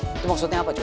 itu maksudnya apa cuy